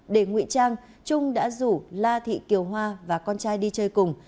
đề nguyễn trang trung đã rủ la thị kiều hoa và con trai đi chơi cùng